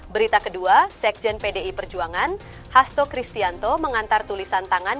berita kedua sekjen pdi perjuangan hasto kristianto mengantar tulisan tangan